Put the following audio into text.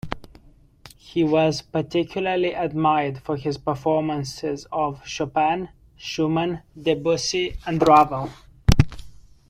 He was particularly admired for his performances of Chopin, Schumann, Debussy, and Ravel.